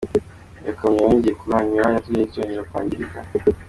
Iyo kamyo yongeye kuhanyura yatumye cyongera kwangirika.